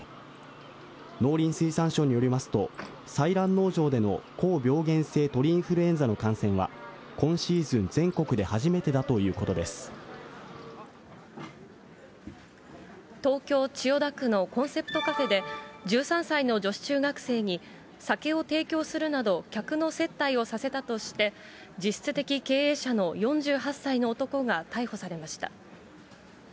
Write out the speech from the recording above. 農林水産省によりますと、採卵農場での高病原性鳥インフルエンザの感染は、今シーズン全国東京・千代田区のコンセプトカフェで、１３歳の女子中学生に酒を提供するなど、客の接待をさせたとして、実質的経営者の４８歳の男が逮捕されました。